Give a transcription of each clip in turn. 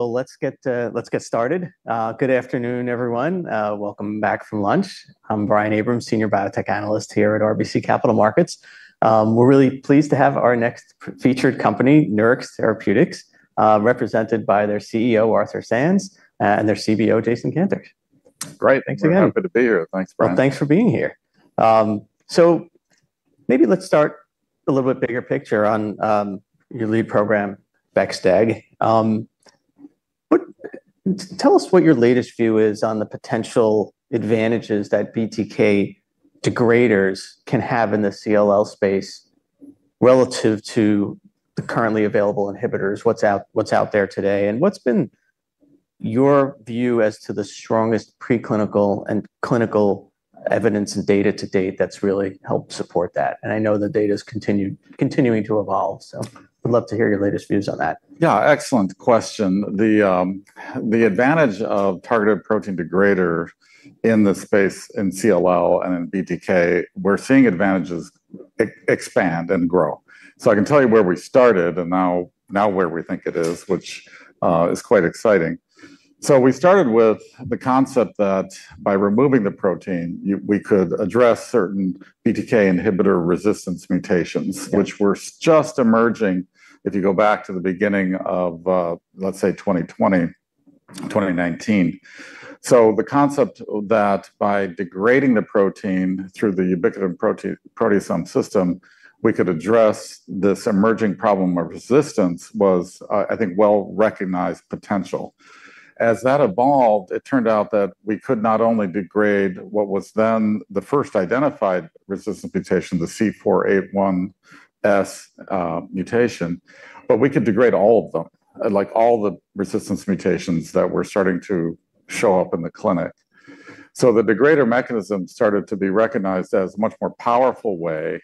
Let's get started. Good afternoon, everyone. Welcome back from lunch. I'm Brian Abrahams, Senior Biotech Analyst here at RBC Capital Markets. We're really pleased to have our next featured company, Nurix Therapeutics, represented by their CEO, Arthur Sands, and their CBO, Jason Kantor. Great. Thanks for having me. Thanks for having us. Good to be here. Thanks, Brian. Well, thanks for being here. Maybe let's start a little bit bigger picture on your lead program, bexobrutideg. Tell us what your latest view is on the potential advantages that BTK degraders can have in the CLL space relative to the currently available inhibitors, what's out there today, and what's been your view as to the strongest preclinical and clinical evidence and data to date that's really helped support that? I know the data's continuing to evolve, so would love to hear your latest views on that. Yeah, excellent question. The advantage of targeted protein degrader in the space in CLL and in BTK, we're seeing advantages expand and grow. I can tell you where we started and now where we think it is, which is quite exciting. We started with the concept that by removing the protein, we could address certain BTK inhibitor resistance mutations, which were just emerging, if you go back to the beginning of, let's say, 2020, 2019. The concept that by degrading the protein through the ubiquitin-proteasome system, we could address this emerging problem of resistance was, I think, well-recognized potential. As that evolved, it turned out that we could not only degrade what was then the first identified resistant mutation, the C481S mutation, but we could degrade all of them, like all the resistance mutations that were starting to show up in the clinic. The degrader mechanism started to be recognized as a much more powerful way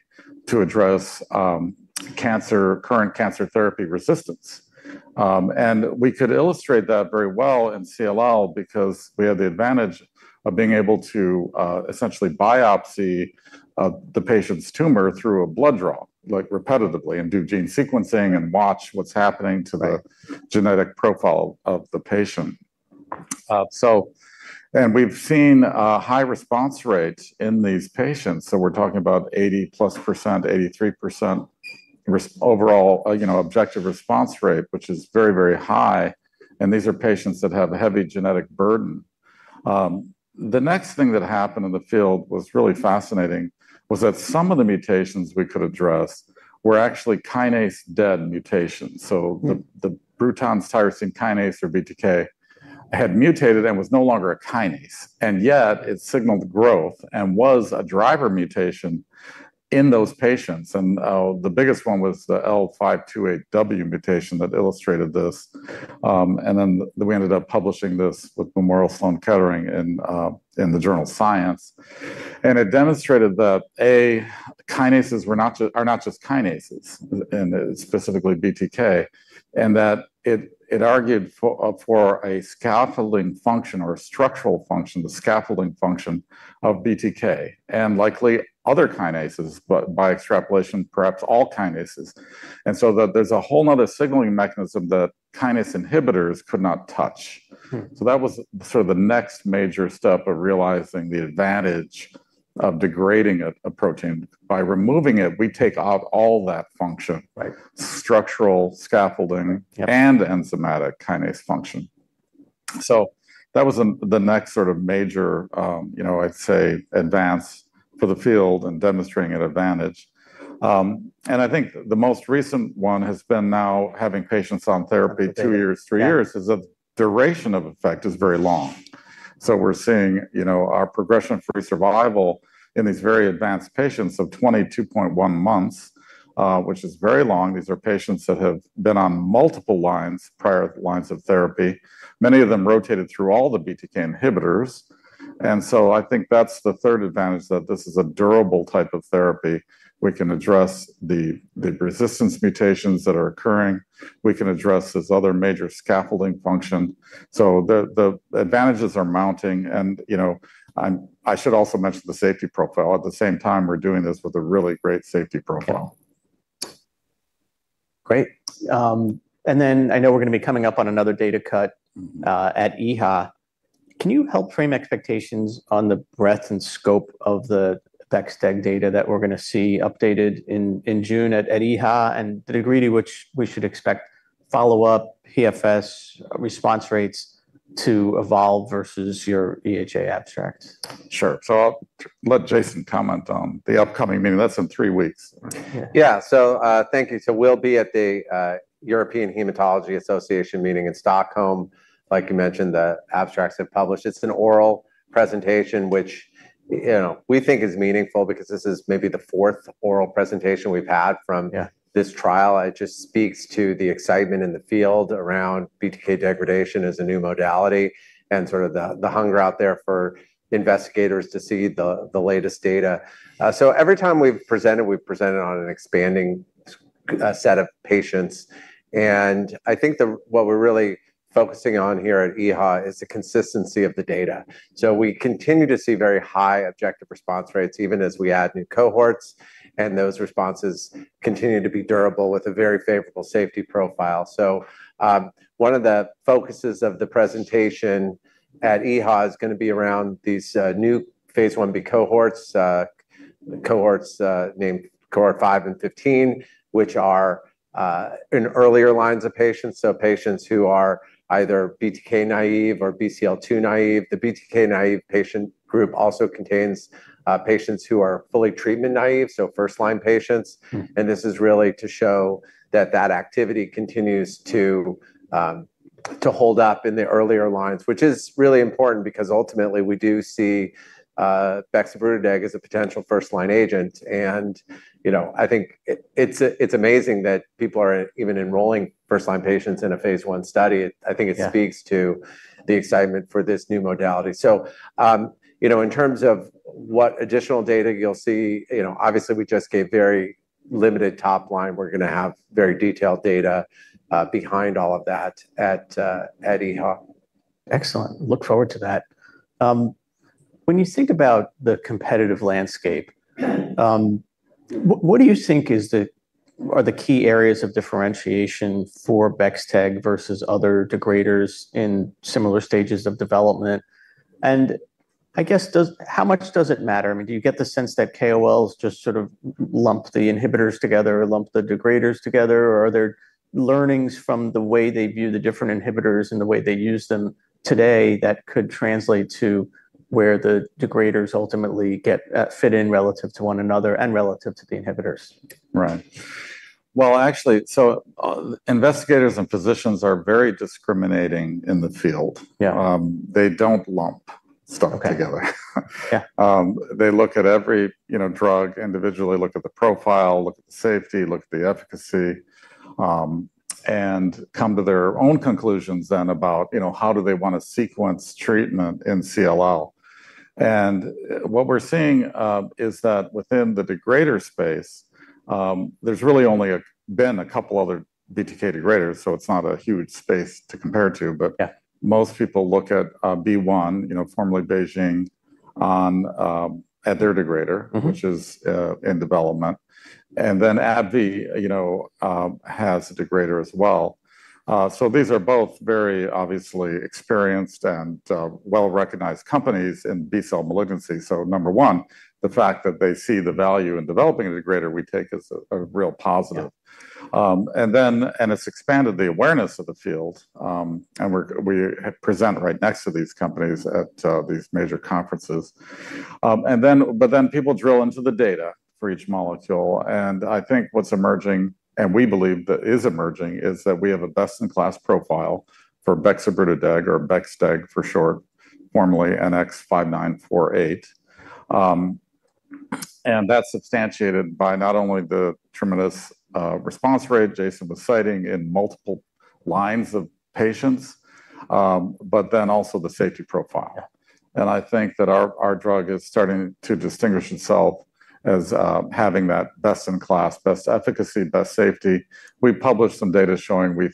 to address current cancer therapy resistance. We could illustrate that very well in CLL because we had the advantage of being able to essentially biopsy the patient's tumor through a blood draw, repetitively, and do gene sequencing and watch what's happening to the genetic profile of the patient. We've seen a high response rate in these patients, so we're talking about 80+%, 83% overall objective response rate, which is very, very high, and these are patients that have a heavy genetic burden. The next thing that happened in the field was really fascinating, was that some of the mutations we could address were actually kinase dead mutations. The Bruton's tyrosine kinase, or BTK, had mutated and was no longer a kinase, and yet it signaled growth and was a driver mutation in those patients. The biggest one was the L528W mutation that illustrated this, and then we ended up publishing this with Memorial Sloan Kettering in the journal "Science." It demonstrated that, A, kinases are not just kinases, and specifically BTK, and that it argued for a scaffolding function or a structural function, the scaffolding function of BTK, and likely other kinases, but by extrapolation, perhaps all kinases. There's a whole other signaling mechanism that kinase inhibitors could not touch. That was sort of the next major step of realizing the advantage of degrading a protein. By removing it, we take out all that function. Right. Structural scaffolding and the enzymatic kinase function. That was the next sort of major, I'd say, advance for the field in demonstrating an advantage. I think the most recent one has been now having patients on therapy two years, three years, is the duration of effect is very long. We're seeing our progression-free survival in these very advanced patients of 22.1 months, which is very long. These are patients that have been on multiple lines, prior lines of therapy, many of them rotated through all the BTK inhibitors. I think that's the third advantage, that this is a durable type of therapy. We can address the resistance mutations that are occurring. We can address this other major scaffolding function. The advantages are mounting and I should also mention the safety profile. At the same time, we're doing this with a really great safety profile. Great. I know we're going to be coming up on another data cut at EHA. Can you help frame expectations on the breadth and scope of the bexobrutideg data that we're going to see updated in June at EHA, and the degree to which we should expect follow-up PFS response rates to evolve versus your EHA abstract? Sure. I'll let Jason comment on the upcoming meeting. That's in three weeks, right? Yeah. Thank you. We'll be at the European Hematology Association meeting in Stockholm. Like you mentioned, the abstracts have published. It's an oral presentation, which we think is meaningful because this is maybe the fourth oral presentation we've had from- Yeah this trial. It just speaks to the excitement in the field around BTK degradation as a new modality and the hunger out there for investigators to see the latest data. Every time we've presented, we've presented on an expanding set of patients, and I think that what we're really focusing on here at EHA is the consistency of the data. We continue to see very high objective response rates even as we add new cohorts, and those responses continue to be durable with a very favorable safety profile. One of the focuses of the presentation at EHA is going to be around these new phase Ib cohorts, cohort 5 and 15, which are in earlier lines of patients, so patients who are either BTK naive or BCL2 naive. The BTK naive patient group also contains patients who are fully treatment naive, so first-line patients. This is really to show that that activity continues to hold up in the earlier lines, which is really important because ultimately we do see bexobrutideg as a potential first-line agent. I think it's amazing that people are even enrolling first-line patients in a phase I study. Yeah. I think it speaks to the excitement for this new modality. In terms of what additional data you'll see, obviously we just gave very limited top line. We're going to have very detailed data behind all of that at EHA. Excellent. Look forward to that. When you think about the competitive landscape, what do you think are the key areas of differentiation for bexdeg versus other degraders in similar stages of development? And I guess, how much does it matter? Do you get the sense that KOLs just sort of lump the inhibitors together or lump the degraders together? Or are there learnings from the way they view the different inhibitors and the way they use them today that could translate to where the degraders ultimately fit in relative to one another and relative to the inhibitors? Right. Well, actually, investigators and physicians are very discriminating in the field. Yeah. They don't lump stuff together. Okay. Yeah. They look at every drug individually, look at the profile, look at the safety, look at the efficacy, and come to their own conclusions then about how do they want to sequence treatment in CLL. What we're seeing is that within the degrader space, there's really only been two other BTK degraders, so it's not a huge space to compare to. Yeah. Most people look at BeiGene, formerly Beijing, at their degrader. Which is in development. AbbVie has a degrader as well. These are both very obviously experienced and well-recognized companies in B-cell malignancy. Number one, the fact that they see the value in developing a degrader we take as a real positive. Yeah. It's expanded the awareness of the field. We present right next to these companies at these major conferences. Then people drill into the data for each molecule, and I think what's emerging, and we believe that is emerging, is that we have a best-in-class profile for bexobrutideg or bexdeg for short, formerly NX-5948. That's substantiated by not only the tremendous response rate Jason was citing in multiple lines of patients, but then also the safety profile. Yeah. I think that our drug is starting to distinguish itself as having that best-in-class, best efficacy, best safety. We published some data showing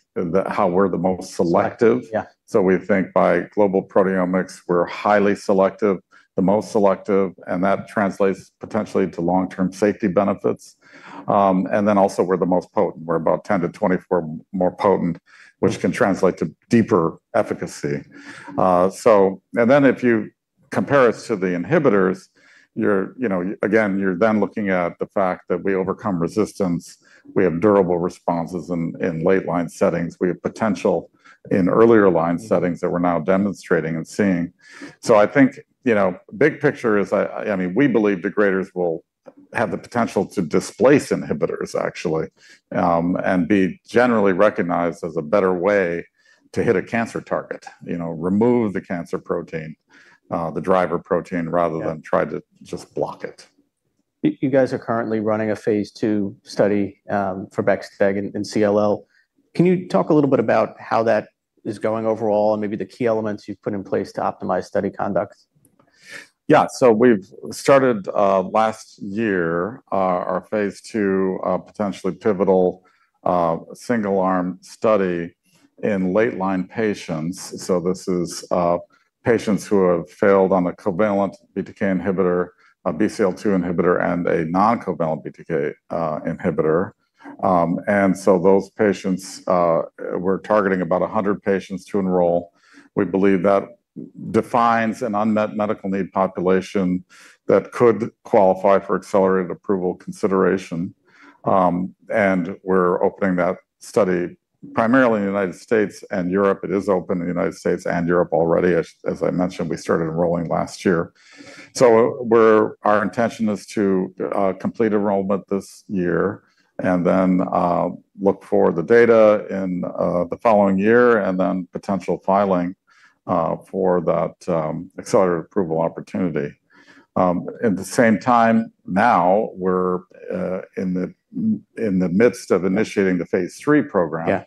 how we're the most selective. Selective, yeah. We think by global proteomics, we're highly selective, the most selective, and that translates potentially to long-term safety benefits. Also, we're the most potent. We're about 10-24 more potent. Yeah. which can translate to deeper efficacy. Then if you compare us to the inhibitors, again, you're then looking at the fact that we overcome resistance. We have durable responses in late-line settings. We have potential in earlier-line settings that we're now demonstrating and seeing. I think, big picture is, we believe degraders will have the potential to displace inhibitors actually, and be generally recognized as a better way to hit a cancer target. Remove the cancer protein, the driver protein, rather than. Yeah Try to just block it. You guys are currently running a phase II study for bexdeg in CLL. Can you talk a little bit about how that is going overall and maybe the key elements you've put in place to optimize study conduct? We've started last year, our phase II, potentially pivotal, single-arm study in late-line patients. This is patients who have failed on a covalent BTK inhibitor, a BCL-2 inhibitor, and a non-covalent BTK inhibitor. Those patients, we're targeting about 100 patients to enroll. We believe that defines an unmet medical need population that could qualify for accelerated approval consideration. We're opening that study primarily in the U.S. and Europe. It is open in the U.S. and Europe already. As I mentioned, we started enrolling last year. Our intention is to complete enrollment this year and then look for the data in the following year, and then potential filing for that accelerated approval opportunity. At the same time, now we're in the midst of initiating the phase III program. Yeah.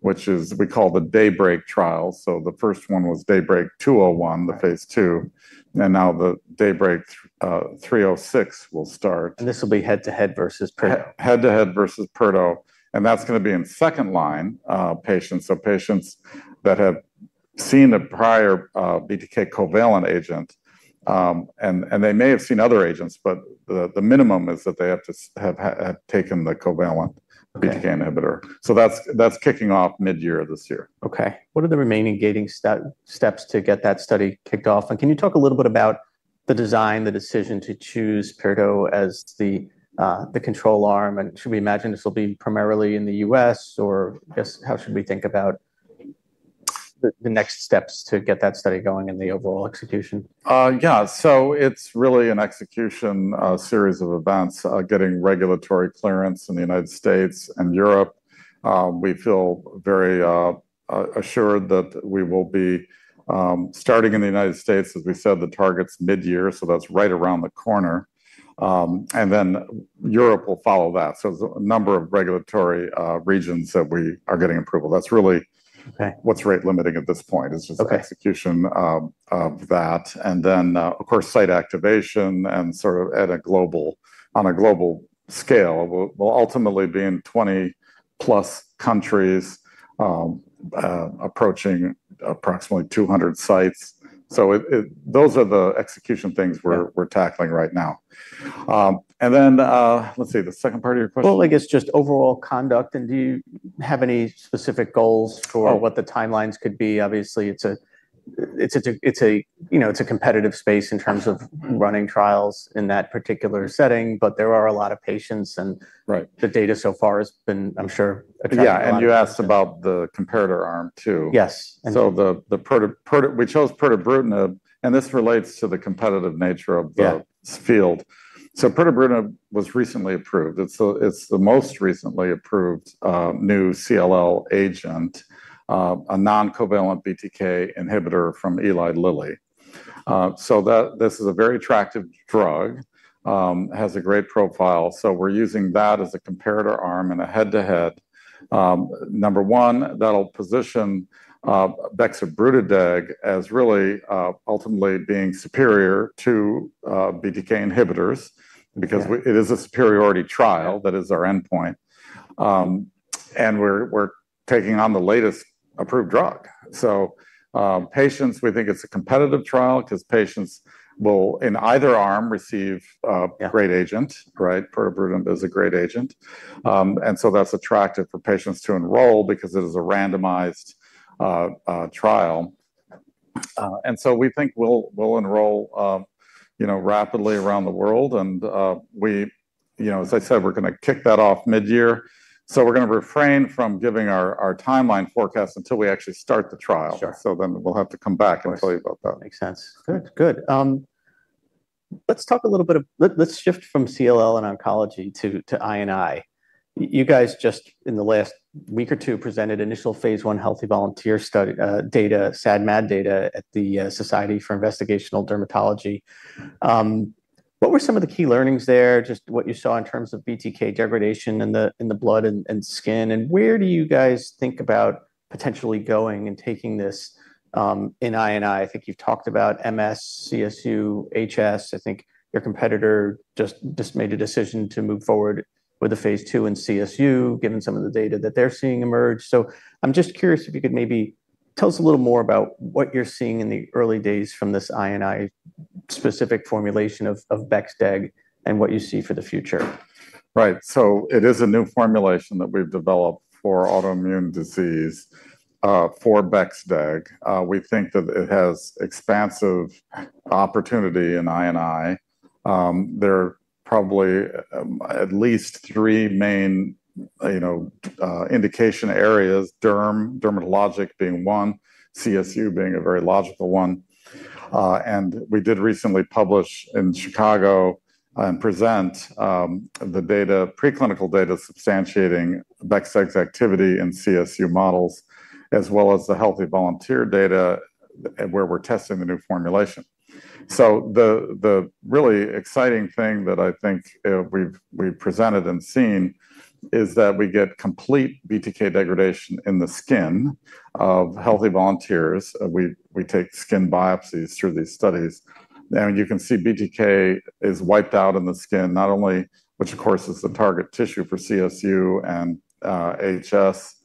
Which is we call the DAYBreak trial. The first one was DAYBreak CLL-201, the phase II, and now the DAYBreak CLL-306 will start. This will be head-to-head versus pirtobrutinib. Head-to-head versus pirtobrutinib, that's going to be in second-line patients. Patients that have seen a prior BTK covalent agent. They may have seen other agents, but the minimum is that they have had taken the covalent BTK inhibitor. That's kicking off mid-year this year. Okay. What are the remaining gating steps to get that study kicked off? Can you talk a little bit about the design, the decision to choose pirtobrutinib as the control arm? Should we imagine this will be primarily in the U.S., or just how should we think about the next steps to get that study going and the overall execution? Yeah. It's really an execution series of events, getting regulatory clearance in the United States and Europe. We feel very assured that we will be starting in the United States, as we said, the target's mid-year, so that's right around the corner. Europe will follow that. There's a number of regulatory regions that we are getting approval. Okay. What's rate limiting at this point? Okay. Execution of that. Of course, site activation and sort of on a global scale. We'll ultimately be in 20+ countries, approaching approximately 200 sites. Those are the execution things we're tackling right now. Let's see, the second part of your question? Well, I guess just overall conduct. Do you have any specific goals for what the timelines could be? Obviously, it's a competitive space in terms of running trials in that particular setting, but there are a lot of patients and- Right. The data so far has been, I'm sure, attractive. Yeah, you asked about the comparator arm, too. Yes. We chose pirtobrutinib, and this relates to the competitive nature of this field. Pirtobrutinib was recently approved. It's the most recently approved new CLL agent, a non-covalent BTK inhibitor from Eli Lilly. This is a very attractive drug, has a great profile. We're using that as a comparator arm in a head-to-head. Number one, that'll position bexobrutideg as really ultimately being superior to BTK inhibitors because it is a superiority trial. That is our endpoint. We're taking on the latest approved drug. Patients, we think it's a competitive trial because patients will, in either arm, receive a great agent. Pirtobrutinib is a great agent. That's attractive for patients to enroll because it is a randomized trial. We think we'll enroll rapidly around the world, and as I said, we're going to kick that off mid-year. We're going to refrain from giving our timeline forecast until we actually start the trial. Sure. We'll have to come back and tell you about that. Makes sense. Good. Let's shift from CLL and oncology to I&I. You guys just, in the last week or two, presented initial phase I healthy volunteer data, SAD MAD data, at the Society for Investigational Dermatology. What were some of the key learnings there, just what you saw in terms of BTK degradation in the blood and skin? Where do you guys think about potentially going and taking this in I&I? I think you've talked about MS, CSU, HS. I think your competitor just made a decision to move forward with a phase II and CSU, given some of the data that they're seeing emerge. I'm just curious if you could maybe tell us a little more about what you're seeing in the early days from this I&I specific formulation of bexdeg and what you see for the future. Right. It is a new formulation that we've developed for autoimmune disease for bexobrutideg. We think that it has expansive opportunity in I&I. There are probably at least three main indication areas, derm, dermatologic being one, CSU being a very logical one. We did recently publish in Chicago and present the preclinical data substantiating bexobrutideg's activity in CSU models, as well as the healthy volunteer data where we're testing the new formulation. The really exciting thing that I think we've presented and seen is that we get complete BTK degradation in the skin of healthy volunteers. We take skin biopsies through these studies. You can see BTK is wiped out in the skin, not only, which, of course, is the target tissue for CSU and HS,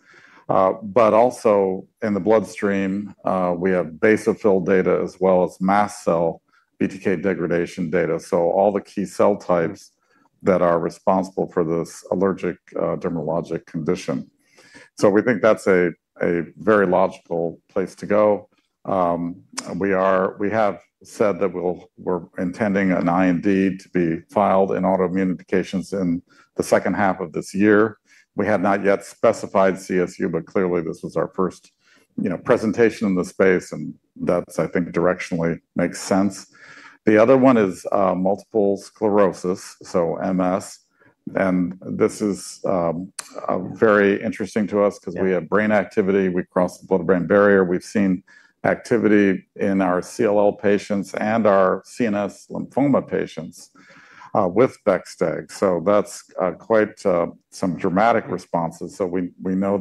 but also in the bloodstream. We have basophil data as well as mast cell BTK degradation data, all the key cell types that are responsible for this allergic dermatologic condition. We think that's a very logical place to go. We have said that we're intending an IND to be filed in autoimmune indications in the second half of this year. We have not yet specified CSU, but clearly, this was our first presentation in the space, and that, I think, directionally makes sense. The other one is multiple sclerosis. MS. This is very interesting to us because we have brain activity. We crossed the blood-brain barrier. We've seen activity in our CLL patients and our CNS lymphoma patients with bexobrutideg. That's quite some dramatic responses. We know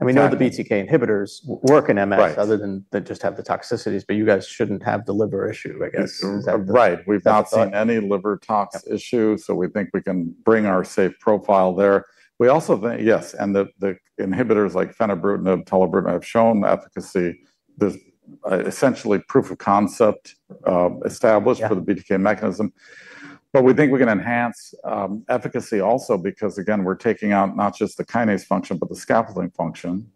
the BTK inhibitors work in MS other than they just have the toxicities, but you guys shouldn't have the liver issue, I guess. Is that? Right. We've not seen any liver tox issue, so we think we can bring our safe profile there. We also think, yes, the inhibitors like fenebrutinib and tolebrutinib have shown efficacy. There's essentially proof of concept established for the BTK mechanism. We think we can enhance efficacy also because, again, we're taking out not just the kinase function, but the scaffolding function,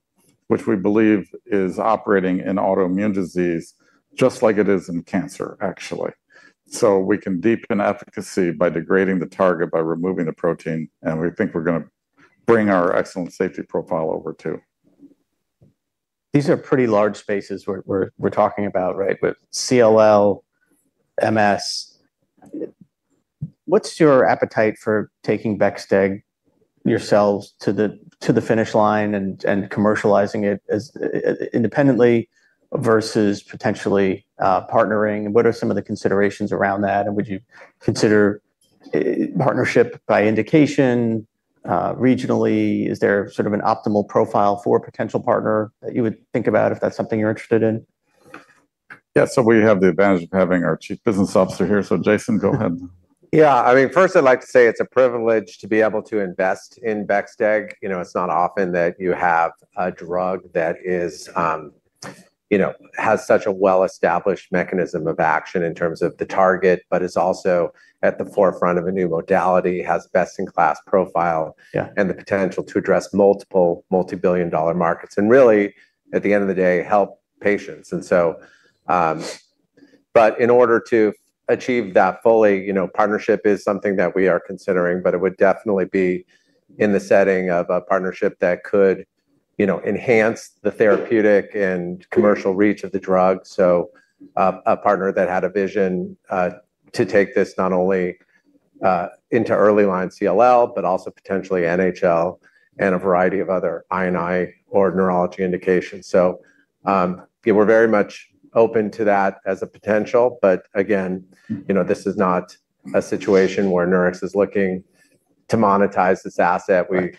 which we believe is operating in autoimmune disease just like it is in cancer, actually. We can deepen efficacy by degrading the target, by removing the protein, and we think we're going to bring our excellent safety profile over, too. These are pretty large spaces we're talking about, right? With CLL, MS. What's your appetite for taking bexobrutideg yourselves to the finish line and commercializing it independently versus potentially partnering? What are some of the considerations around that, and would you consider partnership by indication regionally? Is there sort of an optimal profile for a potential partner that you would think about if that's something you're interested in? Yeah. We have the advantage of having our Chief Business Officer here. Jason, go ahead. Yeah. First I'd like to say it's a privilege to be able to invest in bexobrutideg. It's not often that you have a drug that has such a well-established mechanism of action in terms of the target, but is also at the forefront of a new modality, has best-in-class profile. Yeah. The potential to address multiple multi-billion dollar markets and really, at the end of the day, help patients. In order to achieve that fully, partnership is something that we are considering, but it would definitely be in the setting of a partnership that could enhance the therapeutic and commercial reach of the drug. A partner that had a vision, to take this not only into early line CLL, but also potentially NHL and a variety of other I&I or neurology indications. Yeah, we're very much open to that as a potential, but again, this is not a situation where Nurix is looking to monetize this asset. Right.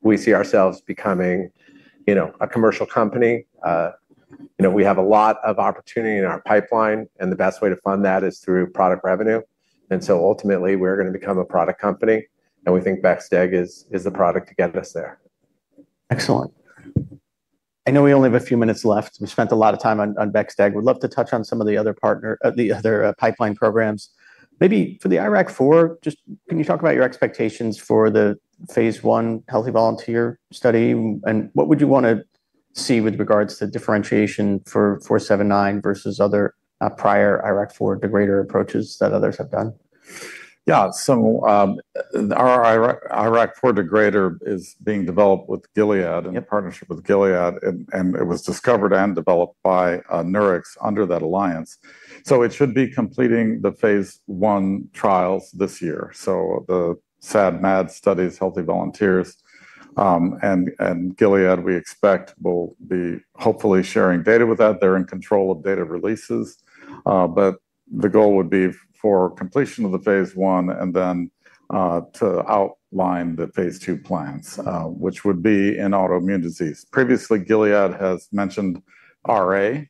We see ourselves becoming a commercial company. We have a lot of opportunity in our pipeline, and the best way to fund that is through product revenue. Ultimately, we're going to become a product company, and we think bexobrutideg is the product to get us there. Excellent. I know we only have a few minutes left. We spent a lot of time on bexobrutideg. We'd love to touch on some of the other pipeline programs. Maybe for the IRAK4, just can you talk about your expectations for the phase I healthy volunteer study, and what would you want to see with regards to differentiation for NX-0479 versus other prior IRAK4 degrader approaches that others have done? Our IRAK4 degrader is being developed with Gilead, in partnership with Gilead, and it was discovered and developed by Nurix under that alliance. It should be completing the phase I trials this year. The SAD, MAD studies, healthy volunteers, and Gilead we expect will be hopefully sharing data with that. They're in control of data releases. The goal would be for completion of the phase I and then to outline the phase II plans, which would be in autoimmune disease. Previously, Gilead has mentioned RA,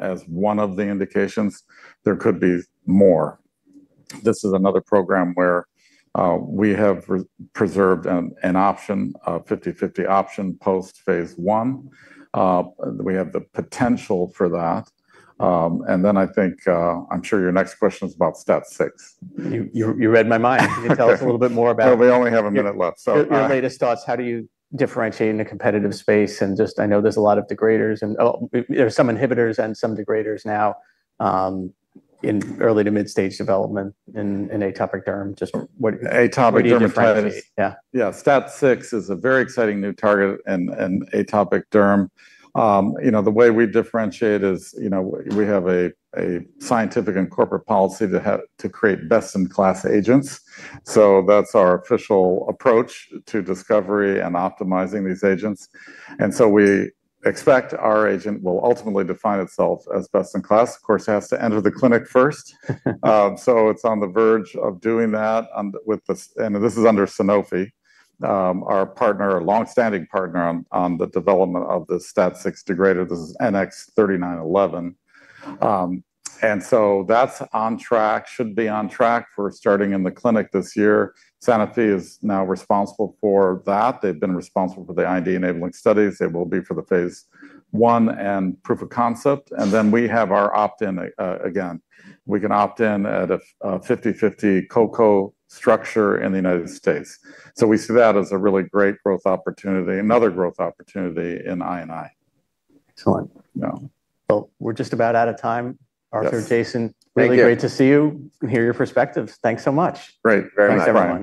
as one of the indications. There could be more. This is another program where we have preserved an option, a 50/50 option post phase I. We have the potential for that. I think, I'm sure your next question is about STAT6. You read my mind. Can you tell us a little bit more? Well, we only have a minute left. your latest thoughts. How do you differentiate in a competitive space and just, I know there's a lot of degraders and, there's some inhibitors and some degraders now, in early to mid-stage development in atopic derm. Atopic derm. What do you differentiate? Yeah. yeah, STAT6 is a very exciting new target in atopic derm. The way we differentiate is we have a scientific and corporate policy to create best-in-class agents. That's our official approach to discovery and optimizing these agents. We expect our agent will ultimately define itself as best in class. Of course, it has to enter the clinic first. It's on the verge of doing that. This is under Sanofi, our partner, our long-standing partner on the development of the STAT6 degrader. This is NX-3911. That's on track, should be on track for starting in the clinic this year. Sanofi is now responsible for that. They've been responsible for the IND-enabling studies. They will be for the phase I and proof of concept, and then we have our opt-in, again. We can opt in at a 50/50 co-co structure in the United States. We see that as a really great growth opportunity, another growth opportunity in I&I. Excellent. Yeah. Well, we're just about out of time. Yes. Arthur, Jason. Thank you. Really great to see you and hear your perspectives. Thanks so much. Great. Very much. Thanks, everyone.